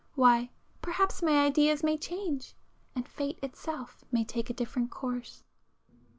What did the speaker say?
—why, perhaps my ideas may change, and fate itself may take a different course!